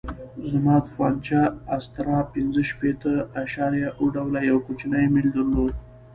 زما تومانچه استرا پنځه شپېته اعشاریه اوه ډوله یو کوچنی میل درلود.